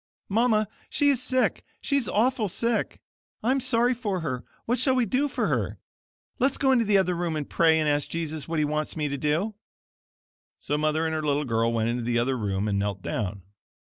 "Mama, she is sick; she is awful sick. I'm sorry for her. What shall we do for her? Let's go into the other room and pray and ask Jesus what he wants me to do." So Mother and her little girl went into the other room and knelt down.